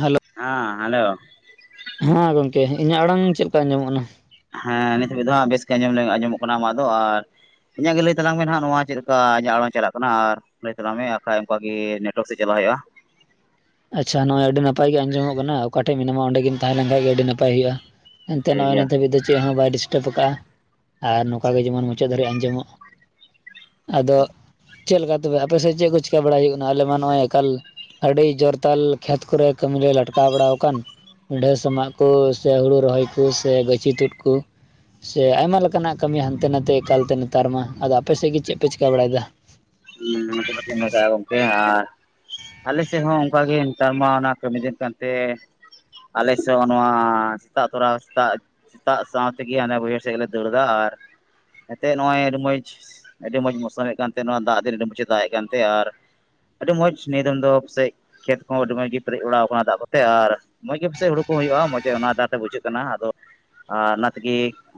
Hello ᱦᱟ hello ᱦᱟᱸ ᱜᱚᱝᱠᱮ ᱤᱧᱟᱹᱜ ᱟᱲᱟᱝ ᱪᱮᱫ ᱞᱮᱠᱟ ᱟᱡᱚᱢᱚᱜ ᱠᱟᱱᱟ ᱦᱮᱸ ᱱᱤᱛ ᱦᱟᱹᱵᱤᱡ ᱫᱚ ᱦᱟᱜ ᱵᱮᱥ ᱜᱮ ᱟᱸᱡᱚᱢᱚᱜ ᱠᱟᱱᱟ ᱟᱢᱟᱜ ᱫᱚ ᱟᱨ ᱤᱧᱟᱹᱜ ᱜᱮ ᱞᱟᱹᱭ ᱛᱟᱞᱟᱝ ᱢᱮ ᱦᱟᱸᱜ ᱱᱚᱣᱟ ᱪᱮᱫ ᱞᱮᱠᱟ ᱟᱢᱟᱜ ᱦᱚᱸ ᱪᱟᱞᱟᱜ ᱠᱟᱱᱟ ᱟᱨ ᱞᱟᱹᱭ ᱛᱟᱞᱟᱝ ᱢᱮ ᱵᱟᱠᱷᱟᱡ ᱚᱱᱠᱟ ᱜᱮ ᱱᱮᱴᱳᱣᱟᱨᱠ ᱥᱮᱫ ᱪᱟᱞᱟᱜ ᱦᱳᱭᱳᱜᱼᱟ ᱾ ᱟᱪᱷᱟ ᱱᱚᱜᱼᱚᱭ ᱟᱹᱰᱤ ᱱᱟᱯᱟᱭ ᱜᱮ ᱟᱸᱡᱚᱢᱚᱜ ᱠᱟᱱᱟ ᱚᱠᱟ ᱴᱷᱮᱡ ᱢᱮᱱᱟᱢᱟ ᱚᱸᱰᱮ ᱜᱮᱢ ᱛᱟᱦᱮᱸ ᱞᱮᱱ ᱠᱷᱟᱱ ᱜᱮ ᱟᱹᱰᱤ ᱱᱟᱯᱟᱭ ᱦᱩᱭᱩᱜᱼᱟ ᱾ ᱮᱱᱛᱮ ᱴᱷᱤᱠ ᱱᱚᱜᱚᱭ ᱜᱮᱭᱟ ᱱᱤᱛ ᱫᱷᱟᱹᱵᱤᱡ ᱫᱚ ᱪᱮᱫ ᱦᱚᱸ ᱵᱟᱭ ᱰᱤᱥᱴᱟᱵᱽ ᱠᱟᱜᱼᱟ ᱟᱨ ᱱᱚᱝᱠᱟ ᱜᱮ ᱡᱮ ᱢᱚᱱ ᱢᱩᱪᱟᱹᱫ ᱫᱷᱟᱹᱨᱤᱡ ᱟᱸᱡᱚ ᱢᱚᱜ ᱟᱫᱚ ᱪᱮᱫ ᱞᱮᱠᱟ ᱛᱮ ᱟᱯᱮ ᱥᱮᱫ ᱪᱮᱫ ᱠᱚ ᱪᱮᱠᱟ ᱵᱟᱲᱟᱭ ᱦᱩᱭᱩᱜ ᱠᱟᱱᱟ ᱟᱞᱮ ᱢᱟ ᱱᱚᱜᱼᱚᱭ ᱮᱠᱟᱞ ᱟᱹᱰᱤ ᱡᱳᱨ ᱛᱟᱞ ᱠᱷᱮᱛ ᱠᱚᱨᱮ ᱠᱟᱹᱢ ᱞᱮ ᱞᱟᱴᱠᱟᱣ ᱵᱟᱲᱟ ᱟᱠᱟᱱ ᱯᱤᱰᱷᱟᱹ ᱥᱟᱢᱟᱜ ᱠᱚ ᱥᱮ ᱦᱩᱲᱩ ᱨᱚᱦᱚᱭ ᱠᱚ ᱥᱮ ᱜᱟᱹᱪᱷᱤ ᱛᱩᱫ ᱠᱩ ᱥᱮ ᱟᱭᱢᱟ ᱞᱮᱠᱟ ᱱᱟᱜ ᱠᱟᱹᱢᱤ ᱦᱟᱱᱛᱮ ᱱᱟᱛᱮ ᱮᱠᱟᱞ ᱛᱮ ᱱᱮᱛᱟᱨ ᱢᱟ ᱟᱫᱚ ᱟᱯᱮ ᱥᱮᱫ ᱜᱮ ᱪᱮᱫ ᱯᱮ ᱪᱤᱠᱟ ᱵᱟᱲᱟᱭ ᱫᱟ ᱾ [unintelligible] ᱟᱞᱮ ᱥᱮᱫ ᱦᱚᱸ ᱚᱱᱠᱟ ᱜᱮ ᱱᱮᱛᱟᱨ ᱢᱟ ᱚᱱᱟ ᱠᱟᱹᱢᱤ ᱫᱤᱱ ᱠᱟᱱᱛᱮ ᱟᱞᱮ ᱥᱮᱫ ᱦᱚᱸ ᱱᱚᱣᱟ ᱥᱮᱛᱟᱜ ᱛᱚᱨᱟ ᱥᱮᱛᱟᱜ ᱥᱮᱛᱟᱜ ᱥᱟᱶ ᱛᱮ ᱜᱮ ᱦᱟᱱᱮ ᱵᱟᱹᱭᱦᱟᱹᱲ ᱥᱮᱫ ᱜᱮᱞᱮ ᱫᱟᱹᱲ ᱫᱟ ᱟᱨ ᱮᱛᱮ ᱱᱚᱜᱼᱚᱭ ᱟᱹᱰᱤ ᱢᱚᱸᱡᱽ ᱟᱹᱰᱤ ᱢᱚᱸᱡᱽ ᱢᱚᱥᱚᱢ ᱠᱟᱱ ᱛᱮ ᱱᱚᱣᱟ ᱫᱟᱜ ᱫᱤᱱ ᱟᱹᱰᱤ ᱢᱚᱡᱽ ᱮ ᱫᱟᱜ ᱮᱫ ᱠᱟᱱ ᱛᱮ [inaudible] ᱟᱨ ᱟᱹᱰᱤ ᱢᱚᱸᱡᱽ ᱱᱤᱭᱟᱹ ᱫᱚᱢ ᱫᱚ ᱯᱟᱥᱮᱡ ᱠᱷᱮᱛ ᱠᱚ ᱦᱚᱸ ᱟᱹᱰᱤ ᱢᱚᱸᱡᱽ ᱜᱮ ᱯᱮᱨᱮᱡ ᱵᱟᱲᱟᱣ ᱟᱠᱟᱱᱟ ᱫᱟᱜ ᱠᱚᱛᱮ ᱟᱨ ᱢᱚᱸᱡᱽ ᱜᱮ ᱯᱟᱥᱮᱡ ᱦᱩᱲᱩ ᱠᱚ ᱦᱩᱭᱩᱜᱼᱟ ᱢᱚᱸᱡᱽ ᱜᱮ ᱚᱱᱟ ᱫᱟᱜ ᱛᱮ ᱵᱩᱡᱷᱟᱹᱜ ᱠᱟᱱᱟ ᱟᱫᱚ ᱚᱱᱟ ᱛᱮ ᱜᱮ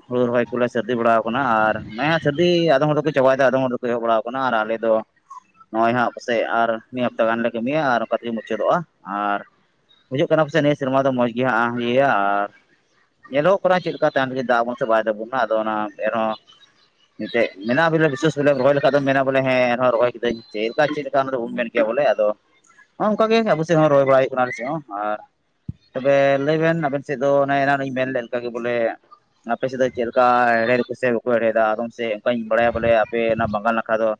ᱦᱩᱲᱩ ᱨᱚᱦᱚᱭ ᱠᱚᱞᱮ ᱥᱟᱹᱨᱫᱤ ᱵᱟᱲᱟᱣ ᱟᱠᱟᱱᱟ ᱟᱨ ᱦᱮᱸ ᱥᱟᱹᱨᱫᱤ ᱟᱫᱚᱢ ᱦᱚᱲ ᱫᱚᱠᱚ ᱪᱟᱵᱟᱭ ᱮᱫᱟ ᱟᱫᱚᱢ ᱦᱚᱲ ᱫᱚᱠᱚ ᱮᱦᱚᱵ ᱵᱟᱲᱟᱣ ᱟᱠᱟᱱᱟ ᱟᱨ ᱟᱞᱮ ᱫᱚ ᱱᱚᱜᱼᱚᱭ ᱦᱟᱸᱜ ᱯᱟᱥᱮᱡ ᱟᱨ ᱢᱤᱫ ᱦᱟᱯᱛᱟ ᱜᱟᱱ ᱞᱮ ᱠᱟᱹᱢᱤᱼᱭᱟ ᱟᱨ ᱚᱱᱠᱟ ᱛᱮᱜᱮ ᱢᱩᱪᱟᱹᱫᱚᱜᱼᱟ ᱟᱨ ᱵᱩᱡᱷᱟᱹᱜ ᱠᱟᱱᱟ ᱯᱟᱥᱮᱡ ᱱᱤᱭᱟᱹ ᱥᱮᱨᱢᱟ ᱫᱚ ᱢᱚᱸᱡᱽ ᱜᱮ ᱦᱟᱸᱜ ᱦᱤᱭᱟᱨ ᱧᱮᱞᱚᱼᱜ ᱜᱚᱜ ᱠᱟᱱᱟ ᱪᱮᱫ ᱞᱮᱠᱟ ᱛᱟᱭᱚᱢ ᱛᱤᱜᱤ [unintelligible] ᱫᱟᱜ ᱟᱵᱚᱱ ᱥᱮ ᱵᱟᱭ ᱫᱟᱜ ᱟᱵᱚᱱᱟ ᱟᱫᱚ ᱚᱱᱟ ᱮᱱ ᱨᱮᱦᱚᱸ ᱢᱮᱱᱟᱜ ᱵᱚᱞᱮ ᱵᱤᱥᱮᱥ ᱨᱚᱦᱚᱭ ᱞᱮᱠᱷᱟᱱ ᱮᱢ ᱢᱮᱱᱟ ᱵᱚᱞᱮ ᱦᱮᱸ ᱨᱚᱦᱚᱭ ᱠᱤᱫᱟᱹᱧ ᱪᱮᱫ ᱞᱮᱠᱟ ᱪᱮᱫ ᱞᱮᱠᱟ ᱚᱱᱟ ᱫᱚᱵᱚᱱ ᱢᱮᱱ ᱠᱮᱭᱟ ᱵᱚᱞᱮ ᱟᱫᱚ ᱚᱝᱠᱟ ᱜᱮ ᱟᱵᱚ ᱥᱮᱫ ᱦᱚᱸ ᱨᱚᱦᱚᱭ ᱵᱟᱲᱟ ᱦᱩᱭᱩᱜ ᱠᱟᱱᱟ ᱟᱞᱮ ᱥᱮᱫ ᱦᱚᱸ ᱟᱨ ᱛᱚᱵᱮ ᱞᱟᱹᱭ ᱵᱮᱱ ᱟᱵᱮᱱ ᱥᱮᱫ ᱫᱚ ᱚᱱᱮ ᱮᱱᱟᱱᱚᱜ ᱤᱧ ᱢᱮᱱ ᱞᱮᱫ ᱞᱮᱠᱟ ᱜᱮ ᱵᱚᱞᱮ ᱟᱯᱮ ᱥᱮᱫ ᱫᱚ ᱪᱮᱫ ᱞᱮᱠᱟ ᱦᱮᱲ ᱦᱮᱫ ᱟᱠᱚ ᱥᱮ ᱵᱟᱠᱚ ᱦᱮᱲ ᱦᱮᱫᱟ ᱟᱫᱚᱢ ᱥᱮ ᱚᱱᱠᱟᱧ ᱵᱟᱲᱟᱭᱟ ᱵᱚᱞᱮ ᱟᱯᱮ ᱚᱱᱟ ᱵᱟᱝᱜᱟᱞ ᱱᱟᱠᱷᱟ ᱫᱚ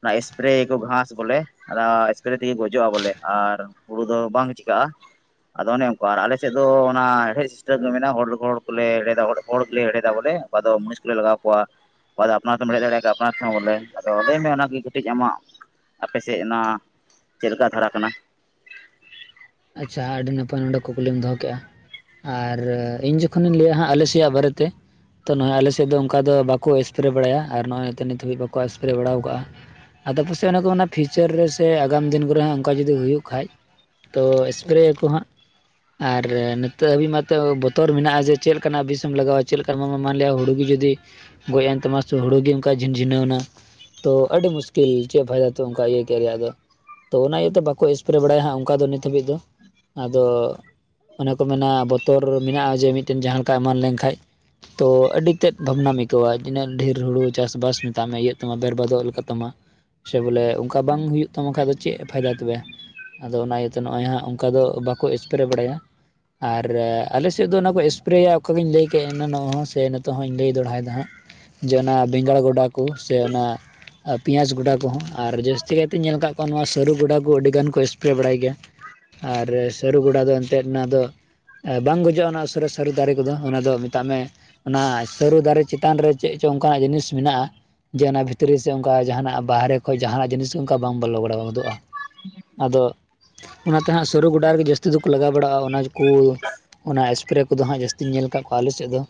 ᱚᱱᱟ ᱮᱥᱯᱮᱨᱮ ᱭᱟᱠᱚ ᱜᱷᱟᱸᱥ ᱵᱚᱞᱮ ᱟᱫᱚ ᱮᱥᱯᱮᱨᱮ ᱛᱮ ᱜᱮ ᱜᱚᱡᱚᱜᱼᱟ ᱵᱚᱞᱮ ᱟᱨ ᱦᱩᱲᱩ ᱫᱚ ᱵᱟᱝ ᱪᱤᱠᱟᱜᱼᱟ ᱟᱫᱚ ᱚᱱᱮ ᱚᱱᱠᱟᱱ ᱟᱞᱮ ᱥᱮᱫ ᱫᱚ ᱚᱱᱟ ᱦᱮᱲᱦᱮᱫ ᱥᱤᱥᱴᱮᱢ ᱢᱮᱱᱟᱜᱼᱟ ᱦᱚᱲ ᱦᱚᱲ ᱠᱚᱞᱮ ᱦᱮᱲᱦᱮᱫᱟ ᱦᱚᱲ ᱜᱮᱞᱮ ᱦᱮᱲᱦᱮᱫᱟ ᱵᱚᱞᱮ ᱚᱠᱟ ᱫᱚ ᱢᱩᱱᱤᱥ ᱠᱚᱞᱮ ᱞᱟᱜᱟᱣ ᱠᱚᱣᱟ ᱚᱠᱚᱭ ᱫᱚ ᱟᱯᱱᱟᱨ ᱛᱮᱢ ᱦᱮᱲ ᱦᱮᱫ ᱫᱟᱲᱮᱭᱟᱜᱼᱟ ᱠᱷᱟᱡ ᱟᱯᱱᱟᱨ ᱛᱮ ᱦᱚᱸ ᱵᱚᱞᱮ ᱟᱫᱚ ᱞᱟᱹᱭ ᱢᱮ ᱚᱱᱟ ᱜᱮ ᱠᱟᱹᱴᱤᱡ ᱠᱟᱹᱴᱤᱡ ᱟᱢᱟᱜ ᱟᱯᱮ ᱥᱮᱫ ᱚᱱᱟ ᱪᱮᱫ ᱞᱮᱠᱟ ᱫᱷᱟᱨᱟ ᱠᱟᱱᱟ ᱟᱪᱪᱷᱟ ᱟᱹᱰᱤ ᱱᱟᱯᱟᱭ ᱱᱚᱰᱮ ᱠᱩᱠᱞᱤᱢ ᱫᱚᱦᱚ ᱠᱮᱜᱼᱟ ᱟᱨ ᱤᱧ ᱡᱚᱠᱷᱚᱱ ᱤᱧ ᱞᱟᱹᱭᱟ ᱦᱟᱸᱜ ᱟᱞᱮ ᱥᱮᱭᱟᱜ ᱵᱟᱨᱮ ᱛᱮ ᱛᱚ ᱱᱚᱜᱼᱚᱭ ᱟᱞᱮ ᱥᱮᱫ ᱫᱚ ᱚᱱᱠᱟ ᱫᱚ ᱵᱟᱠᱚ ᱮᱥᱯᱮᱨᱮ ᱵᱟᱲᱟᱭᱟ ᱟᱨ ᱱᱚᱜᱚᱭ ᱱᱤᱛ ᱦᱟᱹᱵᱤᱡ ᱵᱟᱠᱚ ᱮᱥᱯᱮᱨᱮ ᱵᱟᱲᱟ ᱠᱟᱜᱼᱟ ᱟᱫᱚ ᱯᱟᱥᱮᱡ ᱚᱱᱮ ᱠᱚ ᱢᱮᱱᱟ ᱯᱷᱤᱭᱩ ᱪᱟᱨ ᱨᱮ ᱥᱮ ᱟᱜᱟᱢ ᱫᱤᱱ ᱠᱚᱨᱮ ᱦᱚᱸ ᱚᱱᱠᱟ ᱡᱩᱫᱤ ᱦᱩᱭᱩᱜ ᱠᱷᱟᱡ ᱛᱚ ᱮᱥᱯᱮᱨᱮ ᱭᱟᱠᱚ ᱦᱟᱸᱜ ᱟᱨ ᱱᱤᱛᱚᱜ ᱦᱟᱹᱵᱤᱡ ᱢᱟᱛᱚ ᱵᱚᱛᱚᱨ ᱢᱮᱱᱟᱜᱼᱟ ᱡᱮ ᱪᱮᱫ ᱞᱮᱠᱟ ᱱᱟᱜ ᱵᱤᱥ ᱮᱢ ᱞᱟᱜᱟᱣᱟ ᱪᱮᱫ [unintelligible] ᱦᱩᱲᱩ ᱜᱤ ᱡᱩᱫᱤ ᱜᱚᱡ ᱮᱱ ᱛᱟᱢᱟ ᱥᱮ ᱦᱩᱲᱩ ᱜᱮ ᱚᱱᱠᱟ ᱡᱷᱤᱱ ᱡᱷᱤᱱᱟᱹᱣ ᱱᱟ ᱛᱚ ᱟᱹᱰᱤ ᱢᱩᱥᱠᱤᱞ ᱪᱮᱫ ᱯᱷᱟᱭᱫᱟ ᱛᱚ ᱚᱱᱠᱟ ᱤᱭᱟᱹ ᱛᱮᱭᱟᱜ ᱨᱮᱭᱟᱜ ᱫᱚ ᱛᱚ ᱚᱱᱟ ᱤᱭᱟᱹᱛᱮ ᱵᱟᱠᱚ ᱮᱥᱯᱮᱨᱮ ᱵᱟᱲᱟᱭᱟ ᱦᱟᱸᱜ ᱚᱱᱠᱟ ᱫᱚ ᱱᱤᱛ ᱦᱟᱹᱵᱤᱡ ᱫᱚ ᱟᱫᱚ ᱚᱱᱮ ᱠᱚ ᱢᱮᱱᱟ ᱵᱚᱛᱚᱨ ᱢᱮᱱᱟᱜᱼᱟ ᱡᱮ ᱢᱤᱫ ᱴᱮᱱ ᱡᱟᱦᱟᱸ ᱞᱮᱠᱟ ᱮᱢᱟᱱ ᱞᱮᱱ ᱠᱷᱟᱡ ᱛᱚ ᱟᱹᱰᱤ ᱛᱮᱫ ᱵᱷᱟᱵᱽᱱᱟᱢ ᱟᱹᱭᱠᱟᱹᱣᱟ ᱛᱤᱱᱟᱹᱜ ᱰᱷᱮᱨ ᱦᱩᱲᱩ ᱪᱟᱥᱵᱟᱥ ᱢᱮᱛᱟᱜ ᱢᱮ ᱤᱭᱟᱹᱜ ᱛᱟᱢᱟ ᱵᱮᱨᱵᱟᱫᱚᱜ ᱞᱮᱠᱟ ᱛᱟᱢᱟ ᱥᱮ ᱵᱚᱞᱮ ᱚᱱᱠᱟ ᱵᱟᱝ ᱦᱩᱭᱩᱜ ᱛᱟᱢᱟ ᱠᱷᱟᱡ ᱪᱮᱫ ᱯᱷᱟᱭᱫᱟ ᱛᱚᱵᱮ ᱟᱫᱚ ᱚᱱᱟ ᱛᱮ ᱱᱚᱜᱼᱚᱭ ᱦᱟᱸᱜ ᱚᱱᱠᱟ ᱫᱚ ᱵᱟᱠᱚ ᱮᱥᱯᱨᱮ ᱵᱟᱲᱟᱭᱟ ᱟᱨ ᱟᱞᱮ ᱥᱮᱫ ᱫᱚ ᱚᱱᱟ ᱠᱚ ᱮᱥᱯᱮᱨᱮᱹᱭᱟ ᱚᱠᱟ ᱫᱚᱧ ᱞᱟᱹᱭ ᱠᱮᱫ ᱮᱱᱟ ᱱᱚᱜ ᱥᱮ ᱱᱤᱛᱚᱜ ᱦᱚᱸᱧ ᱞᱟᱹᱭ ᱫᱚᱲᱦᱟᱭᱮᱫᱟ ᱦᱟᱸᱜ ᱡᱮ ᱚᱱᱟ ᱵᱮᱸᱜᱟᱲ ᱜᱚᱰᱟ ᱠᱚ ᱥᱮ ᱚᱱᱟ ᱯᱮᱸᱭᱟᱡᱽ ᱜᱚᱰᱟ ᱠᱚᱦᱚᱸ ᱟᱨ ᱡᱟᱹᱥᱛᱤ ᱠᱟᱭᱛᱮᱧ ᱧᱮᱞ ᱟᱠᱟᱫ ᱠᱚᱣᱟ ᱱᱚᱣᱟ ᱥᱟᱹᱨᱩ ᱜᱚᱰᱟ ᱠᱚ ᱟᱹᱰᱤ ᱜᱟᱱ ᱠᱚ ᱮᱥᱯᱮᱨᱮᱹ ᱵᱟᱲᱟᱭ ᱜᱮᱭᱟ ᱟᱨ ᱥᱟᱹᱨᱩ ᱜᱚᱰᱟ ᱫᱚ ᱮᱱᱛᱮᱫ ᱚᱱᱟ ᱫᱚ ᱵᱟᱝ ᱜᱚᱡᱚᱜᱼᱟ ᱚᱱᱟ ᱩᱥᱟᱹᱨᱟ ᱥᱟᱹᱨᱤ ᱫᱟᱨᱮ ᱠᱚᱫᱚ ᱚᱱᱟ ᱫᱚ ᱢᱮᱛᱟᱜ ᱢᱮ ᱚᱱᱟ ᱥᱟᱹᱨᱩ ᱫᱟᱨᱮ ᱪᱮᱛᱟᱱ ᱨᱮ ᱪᱮᱫ ᱪᱚ ᱚᱱᱠᱟᱱᱟᱜ ᱡᱤᱱᱤᱥ ᱢᱮᱱᱟᱜᱼᱟ ᱡᱮ ᱚᱱᱟ ᱵᱷᱤᱛᱨᱤ ᱥᱮ ᱚᱱᱠᱟ ᱡᱟᱦᱟᱱᱟᱜ ᱵᱟᱦᱨᱮ ᱠᱷᱚᱡ ᱡᱟᱦᱟᱱᱟᱜ ᱡᱤᱱᱤᱥ ᱜᱮ ᱚᱱᱠᱟ ᱵᱟᱝ ᱵᱚᱞᱚ ᱵᱟᱲᱟᱣ ᱜᱚᱫᱚᱜᱼᱟ ᱟᱫᱚ ᱚᱱᱟᱛᱮ ᱦᱟᱸᱜ ᱥᱟᱹᱨᱩ ᱜᱚᱰᱟ ᱨᱮᱜᱮ ᱡᱟᱹᱥᱛᱤ ᱫᱚᱠᱚ ᱞᱟᱜᱟᱣ ᱵᱟᱲᱟᱣᱟᱜᱼᱟ ᱚᱱᱟ ᱡᱮ ᱠᱩ ᱚᱱᱟ ᱮᱥᱯᱮᱨᱮ ᱠᱚᱫᱚ ᱦᱟᱸᱜ ᱡᱟᱹᱥᱛᱤᱧ ᱧᱮᱞ ᱟᱠᱟᱫ ᱠᱚᱣᱟ ᱟᱞᱮ ᱥᱮᱫ ᱫᱚ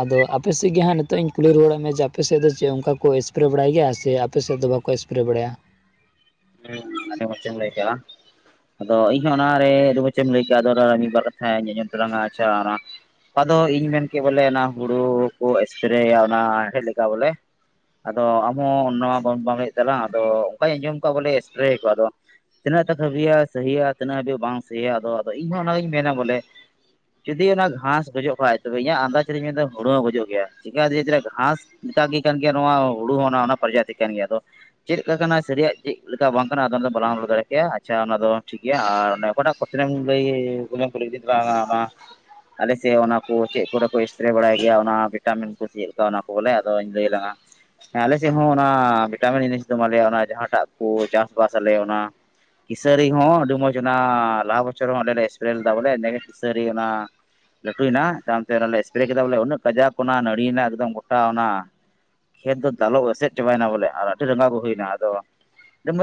ᱟᱫᱚ ᱟᱯᱮ ᱥᱮᱫ ᱜᱮ ᱦᱟᱸᱜ ᱱᱤᱛᱚᱜ ᱤᱧ ᱠᱩᱞᱤ ᱨᱩᱣᱟᱹᱲᱮᱫ ᱢᱮ ᱡᱮ ᱟᱯᱮ ᱥᱮᱫ ᱫᱚ ᱪᱮᱫ ᱚᱱᱠᱟ ᱠᱚ ᱮᱥᱯᱮᱨᱮᱹ ᱵᱟᱲᱟᱭ ᱜᱮᱭᱟ ᱥᱮ ᱟᱯᱮ ᱥᱮᱫ ᱫᱚ ᱵᱟᱠ ᱠᱚ ᱮᱥᱯᱮᱨᱮᱹ ᱵᱟᱲᱟᱭᱟ ᱦᱮᱸ ᱦᱮᱸᱢᱟ‌ᱪᱮᱫ ᱮᱢ ᱞᱟᱹᱭ ᱠᱮᱫᱼᱟ ᱟᱫᱚ ᱤᱧᱦᱚᱸ ᱚᱱᱟᱨᱮ ᱟᱹᱰᱤ ᱢᱚᱪ ᱮᱢ ᱞᱟᱹᱭ ᱠᱮᱜᱼᱟ ᱟᱫᱚ ᱚᱱᱟ ᱨᱮ ᱢᱤᱫ ᱵᱟᱨ ᱠᱟᱛᱷᱟᱧ ᱟᱸᱡᱚᱢ ᱛᱟᱞᱟᱝᱟ ᱟᱪᱪᱷᱟ ᱚᱱᱟ ᱚᱠᱟᱫᱚ ᱤᱧ ᱢᱮᱱᱠᱮᱜ ᱵᱚᱞᱮ ᱚᱱᱟ ᱦᱩᱲᱩ ᱠᱚ ᱮᱥᱯᱮᱨᱮᱭᱟ ᱚᱱᱟ ᱦᱮᱲᱦᱮᱫ ᱞᱮᱠᱟ ᱵᱚᱞᱮ ᱟᱫᱚ ᱟᱢ ᱦᱚᱸ ᱱᱚᱣᱟ ᱵᱟᱢ ᱵᱟᱢ‌ ᱞᱟᱹᱭᱮᱫ ᱛᱟᱞᱟᱝᱟ ᱟᱫᱚ ᱚᱱᱠᱟᱹᱧ ᱟᱸᱡᱚᱢ ᱠᱚᱣᱟ ᱵᱚᱞᱮ ᱮᱥᱯᱮᱨᱮᱹᱭᱟᱠᱚ‌ ᱟᱫᱚ ᱛᱤᱱᱟᱹᱜ ᱴᱟ ᱥᱟᱵᱤᱭᱟ ᱥᱟᱦᱤᱭᱟ ᱛᱤᱱᱟᱹᱜ ᱦᱟᱹᱵᱤᱡ ᱵᱟᱝ ᱥᱟᱹᱦᱤᱭᱟ ᱟᱫᱚ ᱟᱫᱚ ᱤᱧᱦᱚᱸ ᱚᱱᱟᱜᱤᱧ ᱢᱮᱱᱟ ᱵᱚᱞᱮ ᱡᱩᱫᱤ ᱚᱱᱟ ᱜᱷᱟᱸᱥ ᱜᱚᱡᱚᱜ ᱠᱷᱟᱡ ᱛᱚᱵᱮ ᱤᱧᱟᱹᱜ ᱟᱱᱫᱟᱡ ᱨᱤᱧ ᱢᱮᱱᱫᱟ ᱦᱩᱲᱩ ᱦᱚᱸ ᱜᱚᱡᱚᱜ ᱜᱮᱭᱟ ᱪᱮᱫᱟᱜ ᱡᱮ ᱜᱷᱟᱸᱥ ᱚᱱᱠᱟ ᱜᱮ ᱠᱟᱱ ᱜᱮᱭᱟ ᱱᱚᱣᱟ ᱦᱩᱲᱩ ᱦᱚᱸ ᱚᱱᱟ ᱯᱨᱚᱡᱟᱛᱤ ᱠᱟᱱ ᱜᱮᱭᱟ ᱟᱫᱚ ᱪᱮᱫ ᱞᱮᱠᱟ ᱠᱟᱱᱟ ᱥᱟᱹᱨᱤᱭᱟᱜ ᱪᱮᱫ ᱞᱮᱠᱟ ᱵᱟᱝ ᱠᱟᱱᱟ ᱟᱫᱚ ᱚᱱᱟ ᱫᱚ ᱵᱟᱞᱟᱝ ᱨᱚᱲ ᱫᱟᱲᱮ ᱠᱮᱭᱟ ᱟᱪᱪᱷᱟ ᱚᱱᱟ ᱫᱚ ᱴᱷᱤᱠ ᱜᱮᱭᱟ ᱟᱨ ᱚᱠᱟᱴᱟᱜ ᱠᱩᱥᱪᱟᱱᱮᱢ ᱞᱟᱹᱭ‌ ᱠᱩᱞᱤ ᱠᱤᱫᱤᱧ ᱛᱟᱞᱟᱝᱟ ᱚᱱᱟ ᱟᱞᱮᱥᱮᱫ ᱚᱱᱟ ᱠᱚ ᱪᱮᱫ ᱠᱚᱨᱮ ᱠᱚ ᱮᱥᱯᱨᱮ ᱵᱟᱲᱟᱭ ᱜᱮᱭᱟ ᱚᱱᱟ ᱵᱷᱤᱴᱟᱢᱤᱱ ᱠᱚ ᱪᱮᱫ ᱞᱮᱠᱟ ᱚᱱᱟ ᱠᱚ ᱵᱚᱞᱮ ᱟᱫᱚᱧ ᱞᱟᱹᱭ ᱟᱞᱟᱝᱟ ᱦᱮᱸ ᱟᱞᱮ ᱥᱮᱫ ᱦᱚᱸ ᱚᱱᱟ ᱵᱷᱤᱴᱟᱢᱤᱱ ᱡᱤᱱᱤᱥ ᱫᱚ ᱢᱟᱱ ᱞᱮᱭᱟ ᱚᱱᱟ ᱡᱟᱦᱟᱸᱴᱟᱜ ᱠᱚ ᱪᱟᱥᱵᱟᱥ ᱟᱞᱮ ᱚᱱᱟ ᱠᱤᱥᱟᱹᱨᱤ ᱦᱚᱸ ᱟᱹᱰᱤ ᱢᱚᱸᱡᱽ ᱚᱱᱟ ᱞᱟᱦᱟᱸ ᱵᱚᱪᱷᱚᱨ ᱦᱚᱸ ᱟᱞᱮ ᱞᱮ ᱮᱥᱯᱨᱮ ᱞᱮᱫᱟ ᱵᱚᱞᱮ ᱠᱤᱥᱟᱹᱨᱤ ᱚᱱᱟ ᱞᱟᱹᱴᱩᱭᱮᱱᱟ ᱛᱟᱭᱚᱢ ᱛᱮ ᱚᱱᱟ ᱮᱥᱯᱨᱮ ᱠᱮᱫᱟ ᱵᱚᱞᱮ ᱩᱱᱟᱹᱜ ᱠᱟᱡᱟᱠ ᱚᱱᱟ ᱱᱟᱹᱲᱤᱭᱮᱱᱟ ᱮᱠᱫᱚᱢ ᱜᱚᱴᱟ ᱚᱱᱟ ᱠᱷᱮᱛ ᱫᱚ ᱫᱟᱞᱚᱵᱽ ᱮᱥᱮᱫ ᱪᱟᱵᱟᱭᱮᱱᱟ ᱵᱚᱞᱮ ᱟᱨ ᱟᱹᱰᱤ ᱨᱟᱸᱜᱟᱣ ᱜᱮ ᱦᱩᱭᱱᱟ ᱟᱫᱚ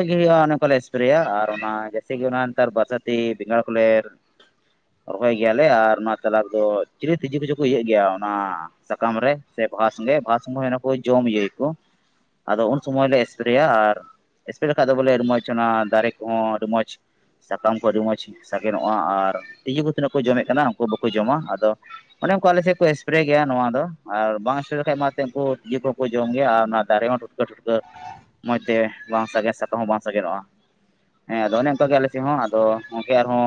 ᱡᱟᱥᱛᱤ ᱦᱩᱭᱩᱜᱼᱟ ᱚᱱᱟᱠᱟᱞᱮ ᱮᱥᱯᱨᱮᱭᱟ ᱟᱨ ᱚᱱᱟ ᱡᱮᱭᱥᱮ ᱜᱤ ᱚᱱᱟ ᱱᱮᱛᱟᱨ ᱵᱟᱨᱥᱛᱤ ᱵᱮᱸᱜᱟᱲ ᱠᱚᱞᱮ ᱨᱚᱦᱚᱭ ᱜᱮᱭᱟᱞᱮ ᱟᱨ ᱱᱚᱣᱟ ᱛᱟᱞᱟ ᱨᱮᱫᱚ ᱪᱤᱞᱤ ᱛᱤᱡᱩ ᱠᱚᱪᱚ ᱠᱚ ᱤᱭᱟᱹᱜ ᱜᱮᱭᱟ ᱚᱱᱟ ᱥᱟᱠᱟᱢ ᱨᱮ ᱥᱮ ᱵᱟᱦᱟ ᱥᱚᱸᱜᱮ ᱵᱟᱦᱟ ᱥᱚᱸᱜᱮ ᱦᱩᱭᱱᱟ ᱠᱚ ᱡᱚᱢ ᱤᱭᱟᱹᱭᱟᱠᱚ ᱟᱫᱚ ᱩᱱ ᱥᱚᱢᱚᱭ ᱞᱮ ᱮᱥᱯᱨᱮᱭᱟ ᱟᱨ ᱮᱥᱯᱨᱮ ᱚᱝᱠᱟ ᱵᱚᱞᱮ ᱟᱹᱰᱤ ᱢᱚᱡᱽ ᱚᱱᱟ ᱫᱟᱨᱮ ᱠᱚᱦᱚᱸ ᱟᱹᱰᱤ ᱢᱚᱡᱽ ᱥᱟᱠᱟᱢ ᱠᱚ ᱟᱹᱰᱤ ᱢᱚᱸᱡᱽ ᱥᱟᱜᱮᱱᱚᱜᱼᱟ ᱟᱨ ᱛᱤᱡᱩ ᱠᱚ ᱛᱤᱱᱟᱹᱜ ᱠᱚ ᱡᱚᱢᱮᱫ ᱠᱟᱱᱟ ᱩᱱᱠᱩ ᱵᱟᱠᱚ ᱡᱚᱢᱟ ᱟᱫᱚ ᱚᱱᱮ ᱚᱱᱠᱟ ᱟᱞᱮ ᱥᱮᱫ ᱠᱚ ᱮᱥᱯᱨᱮ ᱜᱮᱭᱟ ᱱᱚᱣᱟ ᱫᱚ ᱟᱨ ᱵᱟᱝ ᱮᱥᱯᱨᱮ ᱞᱮᱠᱟᱱ ᱢᱟ ᱩᱱᱠᱩ ᱛᱤᱡᱩ ᱠᱚᱦᱚᱸ ᱡᱚᱢ ᱜᱮᱭᱟ ᱟᱨ ᱚᱱᱟ ᱫᱟᱨᱮ ᱦᱚᱸ ᱴᱷᱩᱠᱟᱹ ᱴᱷᱩᱴᱠᱟᱹ ᱢᱚᱡᱽ ᱛᱮ ᱵᱟᱝ ᱥᱟᱜᱮᱱ ᱥᱟᱠ ᱠᱚᱦᱚᱸ ᱵᱟᱝ ᱥᱟᱜᱮᱱᱚᱼᱟ ᱦᱮᱸ ᱟᱫᱚ ᱚᱱᱮ ᱚᱱᱠᱟᱜᱮ ᱟᱞᱮ ᱥᱮᱫ ᱦᱚᱸ ᱟᱫᱚ ᱜᱚᱝᱠᱮ ᱟᱨᱦᱚᱸ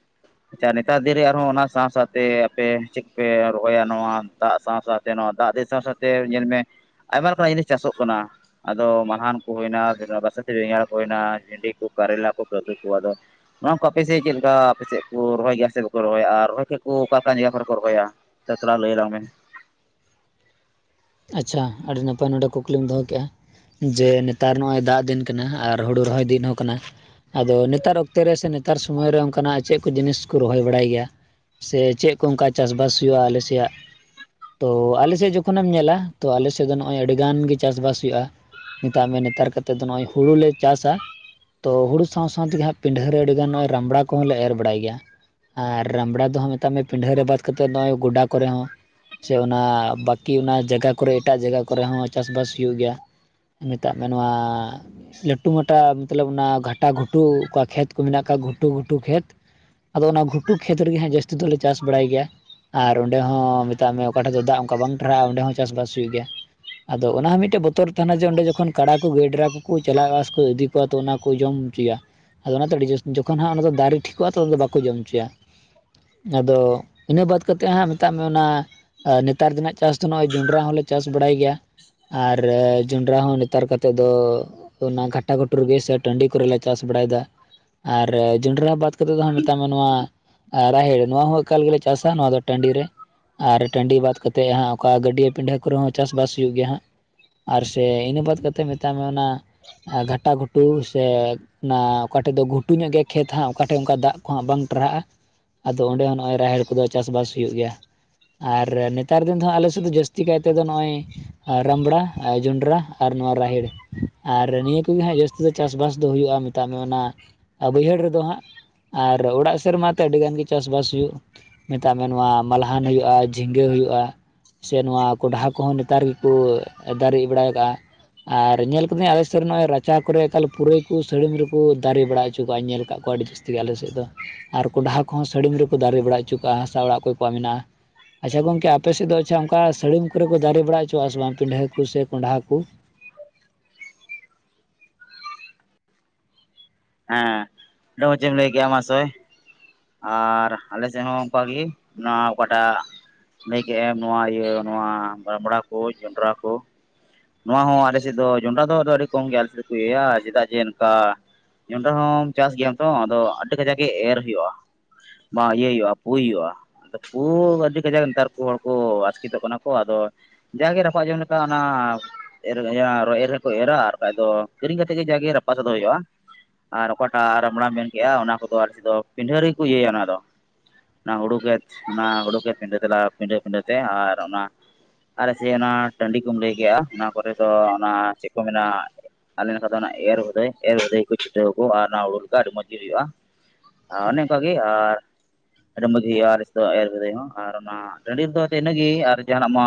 [inaudible] ᱟᱪᱪᱷᱟ ᱱᱮᱛᱟᱨ ᱫᱤᱱ ᱨᱮ ᱟᱨᱦᱚᱸ ᱚᱱᱟ ᱥᱟᱶ ᱥᱟᱶᱛᱮ ᱟᱯᱮ ᱪᱮᱫ ᱯᱮ ᱨᱚᱦᱚᱭᱟ ᱱᱚᱣᱟ ᱫᱟᱜ ᱥᱟᱶ ᱥᱟᱶᱛᱮ ᱥᱮ ᱱᱚᱣᱟ ᱫᱟᱜ ᱫᱤᱥᱚᱢ ᱥᱟᱶ ᱥᱟᱶᱛᱮ ᱧᱮᱞ ᱢᱮ ᱟᱭᱢᱟ ᱞᱮᱠᱟᱱᱟᱜ ᱡᱤᱱᱤᱥ ᱪᱟᱥᱚᱜ ᱠᱟᱱᱟ ᱟᱫᱚ ᱢᱟᱞᱦᱟᱱ ᱠᱚ ᱦᱩᱭᱱᱟ [unintelligible] ᱫᱮ ᱵᱮᱜᱟᱟᱬ ᱠᱚ ᱦᱩᱭᱮᱱᱟ, ᱵᱷᱤᱱᱰᱤ ᱠᱚ ᱠᱟᱨᱮᱞᱟ ᱠᱚ [unintelligible] ᱠᱚ ᱟᱫᱚ ᱱᱚᱣᱟ ᱠᱚ ᱟᱯᱮᱥᱮᱫ ᱪᱮᱫ ᱞᱮᱠᱟ ᱟᱯᱮᱥᱮᱫ ᱠᱚ ᱨᱚᱦᱚᱭ ᱜᱮᱭᱟ ᱥᱮ ᱵᱟᱠᱚ ᱨᱚᱦᱚᱭᱟ ᱟᱨ ᱨᱚᱦᱚᱭ ᱠᱷᱟᱱ ᱠᱚ ᱚᱠᱟ ᱞᱮᱠᱟᱱ ᱡᱟᱭᱜᱟ ᱠᱚᱨᱮ ᱠᱚ ᱨᱚᱦᱚᱭᱟ᱾ ᱪᱟᱪᱞᱟᱣ ᱞᱟᱹᱭ ᱟᱞᱟᱝ ᱵᱮᱱ ᱟᱪᱪᱷᱟ ᱟᱹᱰᱤ ᱱᱟᱯᱟᱭ ᱱᱚᱰᱮ ᱠᱩᱠᱞᱤᱢ ᱫᱚᱦᱚ ᱠᱮᱫᱼᱟ᱾ ᱡᱮ ᱱᱮᱛᱟᱨ ᱱᱚᱜᱼᱚᱭ ᱫᱟᱜᱽ ᱫᱤᱱ ᱠᱟᱱᱟ ᱟᱨ ᱦᱩᱲᱩ ᱨᱚᱦᱚᱭ ᱫᱤᱱ ᱦᱚᱸ ᱠᱟᱱᱟ ᱟᱫᱚ ᱱᱮᱛᱟᱨ ᱚᱠᱛᱮ ᱨᱮ ᱥᱮ ᱱᱮᱛᱟᱨ ᱥᱚᱢᱚᱭ ᱨᱮ ᱚᱱᱠᱟᱱᱟᱜ ᱪᱮᱫ ᱠᱚ ᱡᱤᱱᱤᱥ ᱠᱚ ᱨᱚᱦᱚᱭ ᱵᱟᱲᱟᱭ ᱜᱮᱭᱟ ᱥᱮ ᱪᱮᱫ ᱠᱚ ᱚᱱᱠᱟ ᱪᱟᱥᱼᱵᱟᱥ ᱦᱩᱭᱩᱜ ᱟᱞᱮ ᱥᱮᱭᱟᱜ ᱛᱚ ᱟᱞᱮ ᱥᱮᱫ ᱡᱚᱠᱷᱚᱱᱮᱢ ᱧᱮᱞᱟ ᱛᱚ ᱟᱞᱮ ᱥᱮᱫ ᱫᱚ ᱱᱚᱜᱼᱚᱭ ᱟᱹᱰᱤ ᱜᱟᱱ ᱜᱮ ᱪᱟᱥᱼᱵᱟᱥ ᱦᱩᱭᱩᱜᱼᱟ᱾ ᱢᱮᱛᱟᱜ ᱢᱮ ᱱᱮᱛᱟᱨ ᱠᱟᱛᱮᱫ ᱫᱚ ᱱᱚᱜᱼᱚᱭ ᱦᱩᱲᱩ ᱞᱮ ᱪᱟᱥᱼᱟ᱾ ᱛᱳ ᱦᱩᱲᱩ ᱥᱟᱶᱼᱥᱟᱶ ᱛᱮᱜᱮ ᱦᱟᱸᱜ ᱯᱤᱸᱰᱷᱟᱹ ᱨᱮ ᱟᱹᱰᱤᱜᱟᱱ ᱱᱚᱜᱼᱚᱭ ᱨᱟᱢᱵᱲᱟ ᱠᱚᱦᱚᱸ ᱞᱮ ᱮᱨ ᱵᱟᱲᱟᱭ ᱜᱮᱭᱟ ᱾ ᱟᱨ ᱨᱟᱢᱲᱟ ᱫᱚᱦᱚᱸ ᱢᱮᱛᱟᱜ ᱢᱮ ᱯᱤᱸᱰᱷᱟᱹ ᱨᱮ ᱵᱟᱫ ᱠᱟᱛᱮᱫ ᱱᱚᱜᱼᱚᱭ ᱜᱚᱰᱟ ᱠᱚᱨᱮ ᱦᱚᱸ ᱥᱮ ᱚᱱᱟ ᱵᱟᱹᱠᱤ ᱚᱱᱟ ᱡᱟᱭᱜᱟ ᱠᱚᱨᱮᱜ ᱮᱴᱟᱜ ᱡᱟᱭᱜᱟ ᱠᱚᱨᱮ ᱦᱚᱸ ᱪᱟᱥᱼᱵᱟᱥ ᱦᱩᱭᱩᱜ ᱜᱮᱭᱟ ᱾ ᱢᱮᱛᱟᱜ ᱢᱮ ᱱᱚᱣᱟ ᱞᱟᱹᱴᱩ ᱢᱟᱴᱟ ᱢᱚᱛᱞᱚᱵ ᱚᱱᱟ ᱜᱷᱟᱴᱟ ᱜᱷᱩᱴᱩ ᱚ ᱠᱷᱮᱛ ᱠᱚ ᱢᱮᱱᱟᱜ ᱠᱷᱟᱱ ᱜᱷᱩᱴᱩᱼ ᱜᱷᱩᱴᱩ ᱠᱷᱮᱛ ᱟᱫᱚ ᱚᱱᱟ ᱜᱷᱩᱴᱩ ᱠᱷᱮᱛ ᱨᱮᱜᱮ ᱦᱟᱸᱜ ᱡᱟᱹᱥᱛᱤ ᱫᱚᱞᱮ ᱪᱟᱥ ᱵᱟᱲᱟᱭ ᱜᱮᱭᱟ ᱾ ᱟᱨ ᱚᱸᱰᱮ ᱦᱚᱸ ᱢᱮᱛᱟᱜ ᱢᱮ ᱚᱠᱟ ᱴᱟᱜ ᱫᱚ ᱫᱟᱜ ᱚᱱᱠᱟ ᱵᱟᱝ ᱴᱟᱨᱦᱟᱜᱼᱟ ᱚᱸᱰᱮ ᱦᱚᱸ ᱪᱟᱥᱵᱟᱥ ᱦᱩᱭᱩᱜ ᱜᱮᱭᱟ᱾ ᱟᱫᱚ ᱚᱱᱟ ᱦᱚᱸ ᱢᱤᱫᱴᱮᱡ ᱵᱚᱛᱚᱨ ᱛᱟᱦᱮᱱᱟ ᱡᱮ ᱚᱸᱰᱮ ᱡᱚᱠᱷᱚᱱ ᱠᱟᱲᱟ ᱠᱚ ᱜᱟᱹᱭᱰᱨᱟ ᱠᱚᱠᱚ ᱪᱟᱞᱟᱜᱼᱟ ᱥᱮᱠᱚ ᱤᱫᱤ ᱛᱚ ᱚᱱᱟ ᱠᱚ ᱡᱚᱢ ᱦᱚᱪᱚᱭᱟ ᱟᱫᱚ ᱚᱱᱟᱛᱮ ᱟᱹᱰᱤ ᱡᱟ ᱡᱚᱠᱷᱚ ᱱᱟᱸᱜ ᱚᱱᱟᱫᱚ ᱫᱟᱨᱮ ᱴᱷᱤᱠᱚᱜᱼᱟ ᱛᱚᱠᱷᱚᱱ ᱫᱚ ᱵᱟᱠᱚ ᱡᱚᱢ ᱦᱚᱪᱚᱭᱟ ᱟᱫᱚ ᱤᱱᱟᱹ ᱵᱟᱛ ᱠᱟᱛᱮᱜ ᱦᱟᱸᱜ ᱢᱮᱛᱟᱜ ᱢᱮ ᱚᱱᱟ ᱱᱮᱛᱟᱨ ᱫᱤᱱ ᱱᱟᱸᱜ ᱪᱟᱥ ᱫᱚ ᱱᱚᱜᱸᱼᱚᱭ ᱡᱚᱸᱰᱽᱨᱟ ᱦᱚᱸᱞᱮ ᱪᱟᱥ ᱵᱟᱲᱟᱭ ᱜᱮᱭᱟ ᱟᱨ ᱡᱚᱸᱰᱽᱨᱟ ᱦᱚᱸ ᱱᱮᱛᱟᱨ ᱠᱟᱛᱮᱫ ᱫᱚ ᱚᱱᱟ ᱜᱷᱟᱴᱟ ᱜᱷᱴᱩ ᱨᱮᱜᱮ ᱥᱮ ᱴᱟᱺᱰᱤ ᱠᱚᱨᱮᱞᱮ ᱪᱟᱥ ᱵᱟᱲᱟᱭᱮᱫᱟ ᱾ ᱟᱨ ᱡᱚᱸᱱᱰᱨᱟ ᱵᱟᱫ ᱠᱟᱛᱮᱫ ᱫᱚ ᱦᱟᱸᱜ ᱢᱮᱛᱟᱢ ᱢᱮ ᱱᱚᱣᱟ ᱟᱨ ᱨᱟᱦᱮᱲ ᱱᱚᱣᱟ ᱦᱚᱸ ᱮᱠᱟᱞ ᱜᱮᱞᱮ ᱪᱟᱥᱼᱟ ᱱᱚᱣᱟ ᱫᱚ ᱴᱟᱺᱰᱤ ᱨᱮ ᱟᱨ ᱴᱟᱺᱰᱤ ᱵᱟᱫ ᱠᱟᱛᱮᱫ ᱦᱟᱸᱜ ᱚᱠᱟ ᱜᱟᱹᱰᱭᱟᱹ ᱯᱤᱸᱰᱦᱟᱹ ᱠᱚᱨᱮ ᱦᱚᱸ ᱪᱟᱥᱼᱵᱟᱥ ᱦᱩᱭᱩᱜ ᱜᱮᱭᱟ ᱦᱟᱸᱜ ᱟᱨ ᱥᱮ ᱤᱱᱟᱹ ᱵᱟᱛ ᱠᱟᱛᱮᱫ ᱢᱮᱛᱟᱜ ᱢᱮ ᱚᱱᱟ ᱜᱷᱟᱴᱟ ᱜᱷᱩᱴᱩ ᱥᱮ ᱚᱱᱟ ᱚᱠᱟ ᱴᱷᱮᱡ ᱫᱚ ᱜᱷᱩᱴᱩ ᱧᱚᱜ ᱜᱮᱭᱟ ᱠᱷᱮᱛ ᱦᱟᱸᱜ ᱚᱠᱟᱴᱷᱮᱱ ᱚᱱᱠᱟ ᱫᱟᱜᱽ ᱠᱚᱦᱟᱸᱜ ᱵᱟᱝ ᱴᱟᱨᱦᱟᱜᱼᱟ ᱟᱫᱚ ᱚᱸᱰᱮ ᱦᱚᱸ ᱱᱚᱜᱼᱚᱭ ᱨᱟᱦᱮᱲ ᱠᱚᱫᱚ ᱪᱟᱥᱼᱵᱟᱥ ᱦᱩᱭᱩᱜ ᱜᱮᱭᱟ ᱟᱨ ᱱᱮᱛᱟᱨ ᱫᱤᱱ ᱫᱚ ᱦᱟᱸᱜ ᱟᱞᱮ ᱥᱮᱫ ᱫᱚ ᱡᱟᱹᱥᱛᱤ ᱪᱤᱠᱟᱹᱭ ᱛᱮᱫᱚ ᱱᱚᱜᱼᱚᱭ ᱨᱟᱢᱲᱟ ᱟᱨ ᱡᱚᱸᱰᱨᱟ ᱟᱨ ᱱᱚᱣᱟ ᱨᱟᱦᱮᱲ ᱟᱨ ᱱᱤᱭᱟᱹ ᱠᱚᱜᱮ ᱦᱟᱸᱜ ᱡᱟᱹᱥᱛᱤ ᱫᱚ ᱪᱟᱥᱼᱵᱟᱥ ᱫᱚ ᱦᱩᱭᱩᱜᱼᱟ ᱢᱮᱛᱟᱜ ᱢᱮ ᱚᱱᱟ ᱵᱟᱹᱭᱦᱟᱹᱲ ᱨᱮᱫᱚ ᱦᱟᱸᱜ ᱟᱨ ᱚᱲᱟᱜ ᱥᱮᱨᱢᱟ ᱛᱮ ᱟᱹᱰᱤ ᱜᱟᱱ ᱜᱮ ᱪᱟᱥ-ᱵᱟᱥ ᱦᱩᱭᱩᱜᱼᱟ ᱢᱮᱛᱟᱜ ᱢᱮ ᱱᱚᱣᱟ ᱢᱟᱸᱞᱦᱟᱱ ᱦᱩᱭᱩᱜᱼᱟ ᱡᱷᱤᱸᱜᱟᱹ ᱦᱩᱭᱩᱜᱼᱟ ᱪᱮ ᱱᱚᱣᱟ ᱠᱚᱰᱷᱟ ᱠᱚᱦᱚᱸ ᱱᱮᱛᱟᱨ ᱜᱮᱠᱚ ᱫᱟᱨᱮ ᱵᱟᱲᱟ ᱠᱟᱜᱼᱟ ᱟᱨ ᱧᱮᱞ ᱠᱟᱹᱫᱟᱹᱧ ᱟᱞᱮ ᱥᱮᱫ ᱨᱮ ᱱᱚᱜᱼᱚᱭ ᱨᱟᱪᱟ ᱠᱚᱨᱮ ᱮᱠᱟᱞ ᱯᱩᱨᱟᱹᱭ ᱠᱚ ᱥᱟᱹᱲᱤᱢ ᱨᱮᱠᱚ ᱫᱟᱨᱮ ᱵᱟᱲᱟ ᱦᱚᱪᱚ ᱠᱟᱜᱼᱟᱧ ᱧᱮᱞ ᱠᱟᱜ ᱠᱚᱣᱟ ᱟᱹᱰᱤ ᱡᱟᱹᱥᱛᱤ ᱡᱟ. ᱥᱛᱤ ᱜᱮ ᱟᱞᱮ ᱥᱮᱫ ᱫᱚ ᱟᱨ ᱠᱚᱸᱰᱷᱟ ᱠᱚᱦᱚᱸ ᱥᱟᱹᱲᱤᱢ ᱨᱮᱠᱚ ᱫᱟᱨᱮ ᱵᱟᱲᱟ ᱦᱚᱪᱚ ᱠᱟᱜᱼᱟ ᱦᱟᱥᱟ ᱚᱲᱟᱜ ᱚᱠᱚᱭ ᱠᱚᱣᱟᱜ ᱢᱮᱱᱟᱜᱼᱟ ᱾ ᱟᱪᱷᱟ ᱜᱚᱝᱠᱮ ᱟᱯᱮ ᱥᱮᱫ ᱫᱚ ᱟᱪᱷᱟ ᱚᱱᱠᱟ ᱥᱟᱹᱲᱤᱢ ᱠᱚᱨᱮ ᱠᱚ ᱫᱟᱨᱮ ᱵᱟᱲᱟ ᱦᱚᱪᱚ ᱟᱜ ᱥᱮ ᱵᱟᱝ ᱯᱤᱰᱷᱟᱹ ᱠᱚ ᱥᱮ ᱠᱚᱸᱰᱦᱷᱟ ᱠᱚ ᱦᱮᱸ ᱟᱹᱰᱤ ᱢᱚᱡᱮᱢ ᱞᱟᱹᱭ ᱠᱮᱫ-ᱟ ᱢᱟ ᱥᱮ ᱟᱨ ᱟᱞᱮ ᱥᱮᱫ ᱦᱚᱸ ᱚᱱᱠᱟᱜᱮ ᱱᱚᱣᱟ ᱚᱠᱟᱴᱟᱜ ᱞᱟᱹᱭ ᱠᱮᱫ ᱮᱢ ᱱᱚᱣᱟ ᱤᱭᱟᱹ ᱱᱚᱣᱟ ᱨᱟᱢᱲᱟ ᱡᱚᱱᱰᱽᱨᱟ ᱠᱚ ᱱᱚᱣᱟ ᱦᱚᱸ ᱟᱞᱮ ᱥᱮᱫ ᱫᱚ ᱡᱚᱸᱰᱽᱨᱟ ᱫᱚ ᱟᱹᱰᱤ ᱠᱚᱢ ᱜᱮ ᱟᱞᱮ ᱥᱮᱫ ᱫᱚ ᱠᱚ ᱤᱭᱟᱹᱭᱟ ᱪᱮᱫᱟᱜ ᱡᱮ ᱱᱚᱱᱠᱟ ᱡᱚᱱᱰᱽᱨᱟ ᱦᱚᱸᱢ ᱪᱟᱥ ᱜᱮᱭᱟᱢ ᱛᱚ ᱟᱫᱚ ᱟᱹᱰᱤ ᱠᱟᱡᱟᱠ ᱜᱮ ᱮᱨ ᱦᱩᱭᱩᱜᱼᱟ ᱾ ᱱᱟ ᱤᱭᱟᱹᱭ ᱦᱩᱭᱩᱜᱼᱟ ᱯᱩᱭ ᱦᱩᱭᱩᱜᱼᱟ ᱟᱫᱚ ᱯᱩᱸ ᱟ. ᱰᱤ ᱠᱟᱡᱟᱠ ᱱᱮᱛᱟᱨ ᱠᱚ ᱦᱚᱲ ᱠᱚ ᱟᱥᱠᱮᱛᱚᱜ ᱠᱟᱱᱟ ᱠᱚ ᱟᱫᱚ ᱡᱟᱜᱮ ᱨᱟᱯᱟᱜ ᱡᱚᱝ ᱞᱮᱠᱟ ᱚᱱᱟ ᱮᱨ ᱭᱟ ᱮᱨ ᱦᱚᱠᱚ ᱮᱨᱟ ᱟᱨ ᱠᱷᱟᱡ ᱫᱚ ᱠᱤᱨᱤᱧ ᱠᱟᱛᱮᱜ ᱜᱮ ᱡᱟᱜᱮ ᱨᱟᱯᱟᱜ ᱠᱚ ᱫᱚ ᱦᱩᱭᱩᱜᱼᱟ ᱾ ᱟᱨ ᱚᱠᱟᱴᱟᱜ ᱨᱟᱢᱲᱟᱢ ᱢᱮᱱ ᱠᱮᱫᱮᱜᱼᱟ ᱚᱱᱟ ᱠᱚᱫᱚ ᱟᱞᱮ ᱥᱮᱫ ᱫᱚ ᱯᱤᱸᱰᱷᱟᱹ ᱨᱮᱜᱮ ᱠᱚ ᱤᱭᱟᱹᱭᱟ ᱚᱱᱟ ᱫᱚ ᱚᱱᱟ ᱦᱩᱲᱩ ᱜᱮᱪ ᱚᱱᱟ ᱦᱩᱲᱩ ᱜᱮ ᱯᱤᱰᱟᱹ ᱛᱟᱞᱟ ᱯᱤᱸᱰᱦᱟᱹ -ᱯᱤᱸᱰᱦᱟᱹ ᱛᱮ ᱟᱨ ᱚᱱᱟ ᱟᱨᱮ ᱥᱮ ᱚᱱᱟ ᱴᱟᱺᱰᱤ ᱠᱚᱢ ᱞᱟᱹᱭ ᱠᱮᱫᱼᱟ ᱚᱱᱟ ᱠᱚᱨᱮ ᱫᱚ ᱚᱱᱟ ᱪᱮᱫ ᱠᱚ ᱢᱮᱱᱼᱟ ᱟᱞᱮ ᱱᱚᱰᱮ ᱫᱚ ᱚᱱᱟ ᱮᱨ ᱦᱩᱫᱟᱹᱭ ᱮᱨᱦᱩᱫᱟᱹᱭ ᱠᱚ ᱪᱷᱩᱴᱟᱹᱣ ᱠᱚᱜ ᱟ ᱟᱨ ᱚᱱᱟ ᱦᱩᱲᱩ ᱫᱚ ᱟᱹᱰᱤ ᱢᱚᱸᱡᱽ ᱜᱮ ᱦᱩᱭᱩᱜᱼᱟ ᱾ ᱚᱱᱮ ᱚᱱᱠᱟᱜᱮ ᱟᱨ ᱟᱹᱰᱤ ᱢᱚᱡᱽ ᱜᱮ ᱦᱩᱭᱩᱜᱼᱟ ᱟᱞᱮ ᱥᱮᱫ ᱫᱚ ᱮᱨᱦᱩᱫᱟᱹᱭ ᱦᱚᱸ ᱟᱨ ᱚᱱᱟ ᱴᱟᱺᱰᱤ ᱨᱮ ᱫᱚ ᱟᱫᱚ ᱤᱱᱟᱹᱜᱮ ᱟᱨ ᱡᱟᱦᱱᱟᱜ ᱢᱟ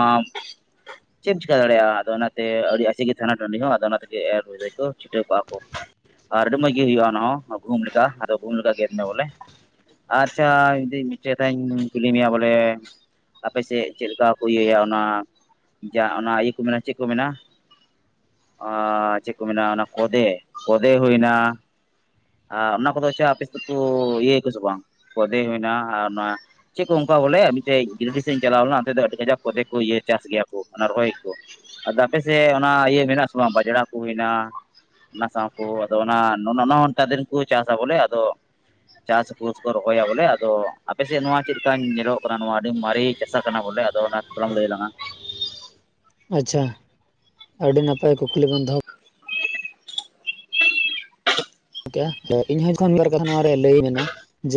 ᱪᱮᱫ ᱮᱢ ᱪᱤᱠᱟ. ᱫᱟᱲᱮᱭᱟᱜᱼᱟ ᱟᱫᱚ ᱚᱱᱟᱛᱮ ᱟᱹᱰᱤ ᱟᱥᱮ ᱜᱮ ᱛᱟᱦᱮᱱᱟ ᱴᱟᱺᱰᱤ ᱦᱚᱸ ᱟᱫᱚ ᱚᱱᱟ ᱛᱮᱜᱮ ᱮᱨ ᱟ. ᱫᱟ. ᱭ ᱠᱚ ᱪᱷᱤᱴᱟᱹᱣ ᱠᱚᱜᱼᱟ ᱠᱚ ᱟᱨ ᱟᱹᱰᱤ ᱢᱚᱸᱡᱽ ᱜᱮ ᱦᱩᱭᱩᱜᱼᱟ ᱚᱱᱟ ᱦᱚᱸ ᱜᱩᱦᱩᱢ ᱞᱮᱠᱟ ᱟᱫᱚ ᱜᱩᱢ ᱞᱮᱠᱟ ᱜᱮᱫ ᱢᱮ ᱵᱚᱞᱮ ᱟᱪᱪᱷᱟ ᱡᱮᱴᱟᱧ ᱠᱩᱞᱤ ᱢᱮᱭᱟ ᱵᱚᱞᱮ ᱟᱯᱮ ᱥᱮᱫ ᱪᱮᱫ ᱞᱮᱠᱟ ᱠᱚ ᱤᱭᱟᱹᱭᱟ ᱚᱱᱟ ᱡᱟ ᱚᱱᱟ ᱤᱭᱟᱹ ᱠᱚ ᱢᱮᱱᱟ ᱪᱮᱫ ᱠᱚ ᱢᱮᱱᱟ? ᱟᱨ ᱪᱮᱫ ᱠᱚ ᱢᱮᱱᱟ ᱚᱱᱟ ᱠᱷᱚᱫᱮ ᱠᱷᱚᱫᱮ ᱦᱩᱭᱱᱟ᱾ ᱟᱨ ᱚᱱᱟ ᱠᱚᱫᱚ ᱪᱮ ᱟᱯᱮ ᱫᱚᱠᱚ ᱤᱭᱟᱹᱭᱟ ᱠᱚ ᱥᱮ ᱵᱟᱝ ᱠᱷᱚᱫᱮ ᱦᱩᱭᱱᱟ ᱟᱨ ᱚᱱᱟ ᱪᱮᱫ ᱠᱚ ᱚᱱᱠᱟ ᱵᱚᱞᱮ ᱢᱤᱫᱴᱮᱡ ᱜᱤᱫᱽᱨᱟ. ᱥᱮᱫ ᱤᱧ ᱪᱟᱞᱟᱣ ᱞᱮᱱᱟ ᱚᱱᱛᱮ ᱫᱚ ᱟᱹᱰᱤ ᱠᱟᱡᱟᱠ ᱠᱷᱚᱫᱮ ᱠᱚ ᱤᱭᱟᱹ ᱪᱟᱥ ᱜᱮᱭᱟ ᱠᱚ ᱚᱱᱟ ᱨᱚᱦᱚᱭ ᱠᱚ᱾ ᱟᱫᱚ ᱟᱯᱮᱥᱮᱫ ᱚᱱᱟ ᱤᱭᱟᱹ ᱢᱮᱱᱟᱜ ᱟᱥᱮ ᱵᱟᱝ ᱵᱟᱡᱽᱲᱟ ᱠᱚ ᱦᱩᱭᱱᱟ ᱚᱱᱟ ᱥᱟᱶ ᱠᱚ ᱟᱫᱚ ᱚᱱᱟ ᱱᱚ ᱚᱱᱟ ᱱᱮᱛᱟᱨ ᱫᱤᱱ ᱠᱚ ᱪᱟᱥᱟ ᱵᱚᱞᱮ ᱟᱫᱚ ᱪᱟᱥ ᱯᱩᱥ ᱠᱚ ᱨᱚᱦᱚᱭᱟ ᱵᱚᱞᱮ ᱟᱫᱚ ᱟᱯᱮᱥᱮᱫ ᱱᱚᱣᱟ ᱪᱮᱫ ᱞᱮᱠᱟ ᱧᱮᱞᱚᱜ ᱠᱟᱱᱟ ᱱᱚᱣᱟ ᱟᱹᱰᱤ ᱢᱟᱨᱮ ᱪᱟᱥᱟ ᱠᱟᱱᱟ ᱵᱚᱞᱮ? ᱛᱚ ᱚᱱᱟ ᱛᱷᱚᱲᱟᱢ ᱞᱟᱹᱭ ᱞᱟᱝᱟ ᱟᱪᱪᱷᱟ ᱟᱹᱰᱤ ᱱᱟᱯᱟᱭ ᱠᱩᱠᱞᱤ ᱵᱮᱱ ᱫᱚᱦᱚ ᱤᱧᱦᱚᱸ ᱡᱚᱠᱷᱚᱱ ᱢᱤᱫ ᱵᱟᱨ ᱠᱟᱛᱷᱟ ᱱᱚᱣᱟᱨᱮ ᱞᱟᱹᱭ ᱢᱮ ᱱᱟ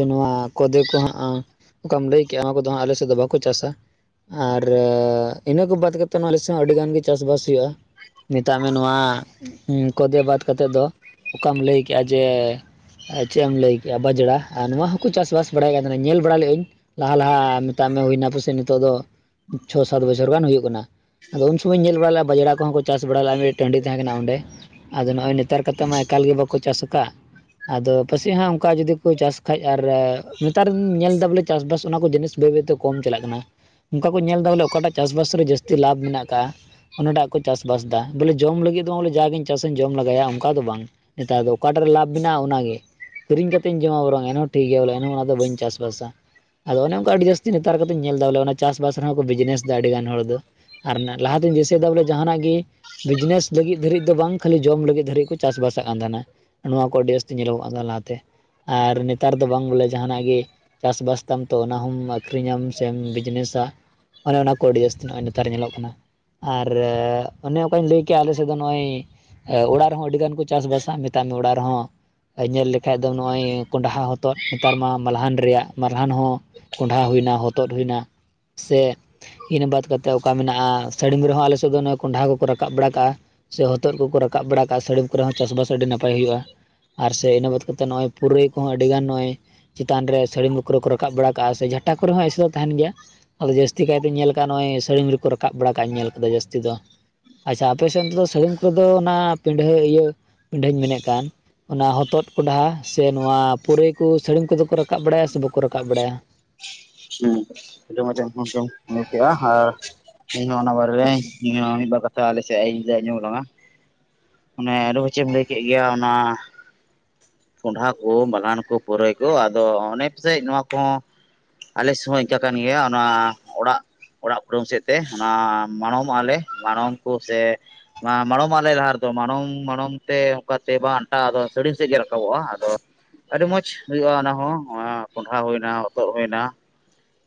ᱱᱚᱣᱟ ᱠᱚᱫᱮ ᱠᱚ ᱦᱟᱸᱜ ᱚᱠᱟᱢ ᱞᱟᱹᱭ ᱠᱮᱜ ᱟ ᱚᱱᱟ ᱠᱚᱫᱚ ᱦᱟᱸᱜ ᱟᱞᱮᱥᱮᱫ ᱫᱚ ᱵᱟᱠᱚ ᱪᱟᱥᱟ ᱟᱨ ᱤᱱᱟᱹ ᱠᱚ ᱵᱟᱫ ᱠᱟᱛᱮᱫ ᱱᱚᱣᱟᱸ ᱟᱞᱮ ᱥᱮᱫ ᱦᱚᱸ ᱟᱹᱰᱤ ᱜᱟᱱ ᱜᱮ ᱪᱟᱥ-ᱵᱟᱥ ᱦᱩᱭᱩᱜᱼᱟ ᱢᱮᱛᱟᱜ ᱢᱮ ᱱᱚᱣᱟ ᱠᱚᱫᱮ ᱵᱟᱫ ᱠᱟᱛᱮᱫ ᱫᱚ ᱚᱠᱟᱢ ᱞᱟᱹᱭ ᱠᱮᱜᱼᱟ ᱡᱮ ᱟᱨ ᱪᱮᱫ ᱮᱢ ᱞᱟᱹᱭ ᱠᱮᱫᱼᱟ ᱵᱟᱡᱽᱲᱟ ᱟᱨ ᱱᱚᱣᱟ ᱦᱚᱸᱠᱚ ᱪᱟᱥ-ᱵᱟᱥ ᱵᱟᱲᱟᱭᱟ ᱠᱟᱱ ᱛᱟᱦᱮᱱᱟ ᱧᱮᱞ ᱵᱟᱲᱟ ᱞᱮᱫ ᱟᱹᱧ ᱞᱟᱦᱟ ᱻᱞᱟᱦᱟ ᱢᱮᱛᱟᱜ ᱢᱮ ᱦᱩᱭ ᱱᱟ ᱯᱟᱥᱮ ᱱᱤᱛᱚᱜ ᱫᱚ ᱪᱷᱚ ᱥᱟᱛ ᱵᱚᱪᱷᱚ ᱡᱷᱚᱨᱜᱟᱱ ᱦᱩᱭᱩᱜ ᱠᱟᱱᱟ ᱟᱫᱚ ᱩᱱ ᱥᱚᱢᱚᱭᱤᱧ ᱧᱮᱞ ᱵᱟᱲᱟ ᱞᱮᱫᱟ ᱵᱟᱡᱽᱲᱟ ᱠᱚᱦᱚᱸ ᱠᱚ ᱪᱟᱥ ᱵᱟᱲᱟ ᱞᱮᱫᱼᱟ ᱢᱤᱫ ᱴᱟᱺᱰᱤ ᱛᱟᱦᱮᱸ ᱠᱟᱱᱟ ᱚᱸᱰᱮ᱾ ᱟᱫᱚ ᱱᱚᱜᱼᱚᱭ ᱱᱮᱛᱟᱨ ᱠᱟᱛᱮ ᱢᱟ ᱮᱠᱟᱞ ᱜᱮ ᱵᱟᱠᱚ ᱪᱟᱥ ᱠᱟᱫ᱾ ᱟᱫᱚ ᱯᱟᱥᱮᱜ ᱦᱟᱸ ᱚᱱᱠᱟ ᱡᱩᱫᱤ ᱠᱚ ᱪᱟᱥ ᱠᱷᱟᱡ ᱟᱨ ᱱᱮᱛᱟᱨ ᱧᱮᱞ ᱮᱫᱟ ᱵᱚᱞᱮ ᱪᱟᱥᱵᱟᱥ ᱚᱱᱟ ᱠᱚ ᱡᱤᱱᱤᱥ ᱵᱟᱹᱭ ᱵᱟᱹᱭᱛᱮ ᱠᱚᱢ ᱪᱟᱞᱟᱜ ᱠᱟᱱᱟ ᱚᱱᱠᱟ ᱠᱚ ᱧᱮᱞ ᱮᱫᱟ ᱵᱚᱞᱮ ᱚᱠᱟᱴᱟᱜ ᱪᱟᱥᱵᱟᱥ ᱨᱮ ᱡᱟᱹᱥᱛᱤ ᱞᱟᱵᱷ ᱢᱮᱱᱟᱜ ᱠᱟᱜ-ᱟ᱾ ᱚᱱᱟᱴᱟᱜ ᱠᱚ ᱪᱟᱥᱵᱟᱥ ᱫᱟ ᱵᱚᱞᱮ ᱡᱚᱢ ᱞᱟᱹᱜᱤᱫ ᱫᱚ ᱵᱚᱞᱮ ᱡᱟᱜᱮᱧ ᱪᱟᱥᱟᱹᱧ ᱡᱚᱢ ᱞᱟᱜᱟᱭᱟ ᱚᱱᱠᱟ ᱫᱚ ᱵᱟᱝ᱾ ᱱᱮᱛᱟᱨ ᱫᱚ ᱚᱠᱟᱴᱟᱜ ᱨᱮ ᱞᱟᱵᱷ ᱢᱮᱱᱟᱜᱼᱟ ᱚᱱᱟᱜᱮ᱾ ᱠᱤᱨᱤᱧ ᱠᱟᱛᱮᱧᱡᱚᱢᱟ ᱵᱚᱨᱚᱝ ᱮᱱᱦᱚᱸ ᱴᱷᱤᱠ ᱜᱮᱭᱟ ᱵᱚᱞᱮ ᱮᱱᱦᱚᱸ ᱚᱱᱟ ᱫᱚ ᱵᱟᱹᱧ ᱪᱟᱥᱵᱟᱥ-ᱟ᱾ ᱟᱫᱚ ᱚᱱᱮ ᱚᱱᱠᱟ ᱟᱹᱰᱤ ᱡᱟᱹᱥᱛᱤ ᱱᱮᱛᱟᱨ ᱠᱚᱛᱮᱧ ᱧᱮᱞ ᱮᱫᱟ ᱵᱚᱞᱮ ᱚᱱᱟ ᱪᱟᱥᱵᱟᱥ ᱨᱮᱦᱚᱸ ᱠᱚ ᱵᱤᱡᱽᱱᱮᱥ ᱫᱟ ᱟᱹᱰᱤ ᱜᱟᱱ ᱦᱚᱲ ᱫᱚ᱾ ᱟᱨ ᱞᱟᱦᱟᱛᱤᱧ ᱫᱤᱥᱟᱹᱭ ᱫᱟ ᱵᱚᱞᱮ ᱡᱟᱦᱟᱱᱟᱜ ᱜᱮ ᱵᱤᱡᱽᱱᱮᱥ ᱞᱟᱹᱜᱤᱫ ᱫᱷᱟᱹᱨᱤᱡ ᱫᱚ ᱵᱟᱝ ᱠᱷᱟᱹᱞᱤ ᱡᱚᱢ ᱞᱟᱹᱜᱤᱫ ᱫᱷᱟᱹᱨᱤᱡ ᱠᱚ ᱪᱟᱥᱵᱟᱥ ᱛᱟᱜ ᱠᱟᱱ ᱛᱟᱦᱮᱱᱟ ᱱᱚᱣᱟ ᱠᱚ ᱟᱹᱰᱤ ᱡᱟ. ᱥᱛᱤ ᱧᱮᱞᱚᱜᱚᱜ ᱠᱟᱱ ᱛᱟᱦᱮᱱᱟ ᱞᱟᱦᱟᱛᱮ ᱟᱨ ᱱᱮᱛᱟᱨ ᱫᱚ ᱵᱟᱝ ᱵᱚᱞᱮ ᱡᱟᱦᱟᱱᱟᱜ ᱜᱮ ᱪᱟᱥᱵᱟᱥ ᱛᱟᱢ ᱛᱚ ᱚᱱᱟᱦᱚᱸᱢ ᱟᱹᱠᱷᱨᱤᱧᱟᱢ ᱥᱮᱢ ᱵᱤᱡᱽᱱᱮᱥᱟ ᱚᱱᱮ ᱚᱱᱟ ᱠᱚ ᱟᱹᱰᱤ ᱡᱟᱹᱥᱛᱤ ᱱᱚᱜᱼᱚᱭ ᱱᱮᱛᱟᱨ ᱧᱮᱞᱚᱜ ᱠᱟᱱᱟ᱾ ᱟᱨ ᱚᱱᱮ ᱚᱱᱠᱟᱧ ᱞᱟᱹᱭ ᱠᱮᱭᱟ ᱟᱞᱮᱥᱮᱫ ᱫᱚ ᱱᱚᱜᱼᱚᱭ ᱚᱲᱟᱜ ᱨᱮᱦᱚᱸ ᱟᱹᱰᱤ ᱜᱟᱱ ᱠᱚ ᱪᱟᱥᱵᱟᱥ-ᱟ ᱢᱮᱛᱟᱭ ᱢᱮ ᱚᱲᱟᱜ ᱨᱮᱦᱚᱸ᱾ ᱧᱮᱞ ᱞᱮᱠᱷᱟᱡ ᱫᱚ ᱱᱚᱜᱼᱚᱭ ᱠᱚᱸᱰᱦᱟ ᱦᱚᱛᱚᱫ ᱱᱮᱛᱟᱨ ᱢᱟ ᱢᱟᱞᱦᱟᱱ ᱨᱮᱭᱟᱜ ᱢᱟᱞᱦᱟᱱ ᱦᱚᱸ᱾ ᱠᱚᱸᱰᱷᱟ ᱦᱩᱭᱱᱟ, ᱦᱚᱛᱚᱫ ᱦᱩᱭᱱᱟ ᱥᱮ ᱤᱱᱟᱹ ᱵᱟᱫ ᱠᱟᱛᱮᱫ ᱚᱠᱟ ᱢᱮᱱᱟᱜᱼᱟ ᱥᱟᱹᱲᱤᱢ ᱨᱮᱦᱚᱸ ᱟᱞᱮ ᱥᱮᱫ ᱫᱚ ᱠᱚᱸᱰᱷᱟ ᱠᱚᱠᱚ ᱨᱟᱠᱟᱵ ᱵᱟᱲᱟ ᱠᱟᱜᱼᱟ᱾ ᱥᱮ ᱦᱚᱛᱚᱫ ᱠᱚᱠᱚ ᱨᱟᱠᱟᱵ ᱵᱟᱲᱟ ᱠᱟᱜᱼᱟ ᱥᱟᱹᱲᱤᱢ ᱠᱚᱨᱮ ᱦᱚᱸ ᱪᱟᱥᱵᱟᱥ ᱟᱹᱰᱤ ᱱᱟᱯᱟᱭ ᱦᱩᱭᱩᱜᱼᱟ᱾ ᱟᱨ ᱥᱮ ᱤᱱᱟᱹ ᱵᱟᱫ ᱠᱟᱛᱮᱜ ᱱᱚᱜᱼᱚᱭ ᱯᱩᱨᱟᱹᱭ ᱠᱚᱦᱚᱸ ᱟᱹᱰᱤ ᱜᱟᱱ ᱱᱚᱜᱼᱚᱭ ᱪᱮᱛᱟᱱ ᱨᱮ ᱥᱟᱹᱲᱤᱢ ᱠᱚᱨᱮ ᱠᱚ ᱨᱟᱠᱟᱵ ᱵᱟᱲᱟ ᱠᱟᱜᱼᱟ ᱥᱮ ᱡᱷᱟᱴᱟ ᱠᱚᱨᱮ ᱦᱚᱸ ᱮᱥᱮ ᱫᱚ ᱛᱟᱦᱮᱱ ᱜᱮᱭᱟ᱾ ᱟᱫᱚ ᱡᱟᱹᱥᱛᱤ ᱠᱟᱭ ᱛᱮᱧ ᱧᱮᱞ ᱠᱟᱜᱟ ᱱᱚᱜᱚᱭ ᱥᱟᱹᱲᱤᱧ ᱨᱮᱠᱚ ᱨᱟᱠᱟᱵ ᱵᱟᱲᱟ ᱠᱟᱜ ᱤᱧ ᱧᱮᱞ ᱠᱟᱫᱟ ᱡᱟᱹᱥᱛᱤ ᱫᱚ᱾ ᱟᱪᱪᱷᱟ ᱟᱯᱮ ᱥᱮᱫ ᱫᱚ ᱥᱟᱹᱲᱤᱢ ᱠᱚᱫᱚ ᱚᱱᱟ ᱯᱤᱰᱷᱟᱹ ᱤᱭᱟᱹ ᱯᱤᱰᱷᱟᱹᱧ ᱢᱮᱱᱮᱫ ᱠᱟᱱ ᱚᱱᱟ ᱦᱚᱛᱚᱫ ᱠᱚᱸᱰᱟ ᱥᱮ ᱱᱚᱶᱟ ᱯᱩᱨᱟᱹᱭ ᱠᱚ ᱥᱟᱹᱲᱤᱢ ᱠᱚᱫᱚ ᱠᱚ ᱨᱟᱠᱟᱵ ᱵᱟᱲᱟᱭᱟ ᱥᱮ ᱵᱟᱠᱚ ᱨᱟᱠᱟᱵ ᱵᱟᱲᱟᱭᱟ? ᱦᱩᱸ ᱟᱹᱰᱤ ᱢᱚᱸᱡᱮᱢ ᱦᱩᱢ ᱦᱩ ᱢᱩ ᱠᱮᱜᱼᱟ ᱟᱨ ᱤᱧᱦᱚᱸ ᱚᱱᱟ ᱵᱟᱨᱮᱨᱮ ᱤᱧᱦᱚᱸ ᱢᱤᱫ ᱵᱟᱨ ᱠᱟᱛᱷᱟ ᱟᱞᱮᱥᱮᱫ ᱤᱧ ᱞᱟᱹᱭ ᱟᱡᱚᱢᱟᱵᱚᱱᱟ᱾ ᱚᱱᱮ ᱟᱹᱞᱩ ᱪᱮᱫ ᱮᱢ ᱞᱟᱹᱭ ᱠᱮᱫ ᱜᱮᱭᱟ ᱚᱱᱟ ᱠᱚᱸᱰᱷᱟ ᱠᱚ, ᱢᱟᱞᱟᱱ ᱠᱚ, ᱯᱩᱨᱟᱹᱭ ᱠᱚ ᱟᱫᱚ ᱚᱱᱮ ᱯᱟᱥᱮᱡ ᱱᱚᱣᱟ ᱠᱚᱦᱚᱸ ᱟᱞᱮ ᱥᱚᱢᱚᱭ ᱤᱱᱠᱟᱹ ᱠᱟᱱ ᱜᱮᱭᱟ ᱚᱱᱟ ᱚᱲᱟᱜ ᱚᱲᱟᱜ ᱠᱩᱰᱟᱢ ᱥᱮᱫ ᱛᱮ ᱚᱱᱟ ᱢᱟᱲᱚᱢᱚᱜᱼᱟ ᱞᱮ ᱢᱟᱲᱚᱢ ᱠᱚ ᱥᱮ ᱢᱟᱲᱚᱢ ᱟᱞᱮ ᱞᱟᱦᱟ ᱨᱮᱫᱚ ᱢᱟᱲᱚᱢ ᱢᱟᱲᱚᱢ ᱛᱮ ᱚᱱᱠᱟ ᱛᱮ ᱵᱟ ᱟᱱᱴᱟ ᱟᱫᱚ ᱥᱟᱹᱲᱤᱢ ᱥᱮᱫ ᱜᱮ ᱨᱟᱠᱟᱵᱚᱜᱼᱟ ᱟᱫᱚ ᱟᱹᱰᱤ ᱢᱚᱸᱡ ᱦᱩᱭᱩᱜᱼᱟ ᱚᱱᱟ ᱦᱚᱸ ᱠᱚᱸᱰᱦᱟ ᱦᱩᱭᱳᱱᱟ, ᱦᱚᱛᱚᱫ ᱦᱩᱭᱮᱱᱟ᱾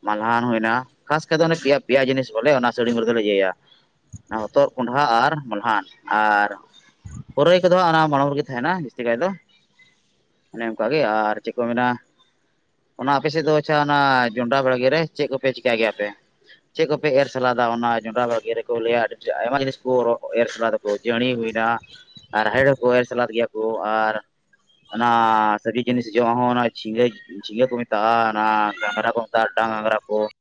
ᱢᱟᱞᱦᱟᱱ ᱦᱩᱭᱱᱟ ᱠᱷᱟᱥ ᱠᱟᱭ ᱛᱮᱫᱚ ᱯᱮᱭᱟ ᱯᱮᱭᱟ ᱡᱤᱱᱤᱥ ᱵᱚᱞᱮ ᱚᱱᱟ ᱥᱟᱹᱲᱤ ᱨᱮᱫᱚᱞᱮ ᱤᱭᱟᱹᱭᱟ᱾ ᱦᱚᱛᱚᱫ, ᱠᱚᱸᱰᱷᱟ, ᱟᱨ ᱢᱟᱞᱦᱟᱱ ᱟᱨ ᱯᱩᱨᱟᱹᱭ ᱠᱚᱫᱚ ᱚᱱᱟ ᱢᱟᱲᱟᱝ ᱨᱮᱜᱮ ᱛᱟᱦᱮᱱᱟ ᱡᱟᱹᱥᱛᱤ ᱠᱟᱭ ᱫᱚ ᱚᱱᱮ ᱚᱱᱠᱟ ᱜᱮ ᱟᱨ ᱪᱮᱫ ᱠᱚ ᱢᱮᱱᱟ ᱚᱱᱟ ᱟᱯᱮ ᱥᱮᱫ ᱫᱚ ᱟᱪᱪᱷᱟ ᱚᱱᱟ ᱡᱚᱱᱰᱨᱟ ᱵᱟᱲᱜᱮ ᱨᱮ ᱪᱮᱫ ᱠᱚᱯᱮ ᱪᱮᱠᱟᱹ ᱜᱮᱭᱟᱯᱮ ᱪᱮᱫ ᱠᱚᱯᱮ ᱮᱨ ᱥᱟᱞᱟᱜ ᱜᱟ ᱚᱱᱟ ᱡᱚᱸᱰᱨᱟ ᱵᱷᱟᱹᱲᱜᱤ ᱨᱮᱠᱚ ᱞᱟᱹᱭᱟ ᱟᱹᱰᱤ ᱟᱭᱢᱟ ᱡᱤᱱᱤᱥ ᱠᱚ ᱮᱨ ᱥᱟᱞᱟᱜᱟ ᱡᱟᱹᱱᱤ ᱦᱩᱭᱱᱟ ᱟᱨ ᱨᱟᱦᱮᱲ ᱦᱚᱠᱚ ᱮᱨ ᱥᱟᱞᱟᱫ ᱜᱮᱭᱟ ᱠᱚ ᱟᱨ ᱚᱱᱟ ᱥᱟᱹᱨᱤ ᱡᱤᱱᱤᱥᱤᱡᱚᱢ ᱦᱚᱸ ᱚᱱᱟ ᱡᱷᱤᱸᱜᱟᱹ ᱡᱷᱤᱸᱜᱟᱹ ᱠᱚ ᱢᱮᱛᱟᱜᱼᱟ ᱜᱷᱟᱝᱨᱟ ᱠᱚ [unintelligible] ᱰᱟᱝᱟᱝᱨᱟ ᱠᱚ